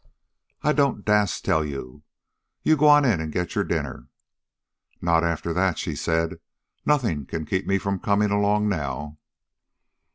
"I don't dast tell you. You go on in an' get your dinner." "Not after that," she said. "Nothing can keep me from coming along now."